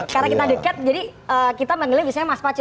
karena kita dekat jadi kita manggilnya biasanya mas pacu